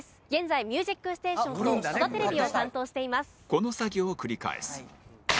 この作業を繰り返す